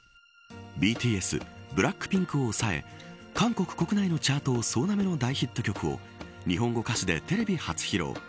ＢＴＳ、ＢＬＡＣＫＰＩＮＫを抑え韓国国内のチャートを総なめの大ヒット曲を日本語歌詞でテレビ初披露。